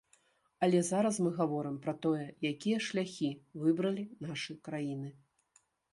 Але зараз мы гаворым пра тое, якія шляхі выбралі нашы краіны.